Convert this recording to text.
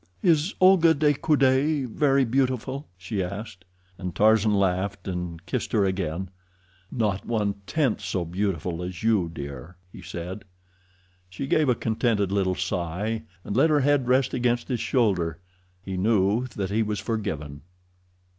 "Is Olga de Coude very beautiful?" she asked. And Tarzan laughed and kissed her again. "Not one tenth so beautiful as you, dear," he said. She gave a contented little sigh, and let her head rest against his shoulder. He knew that he was forgiven.